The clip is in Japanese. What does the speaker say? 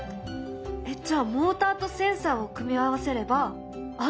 えっじゃあモーターとセンサーを組み合わせれば安全なドアが出来る？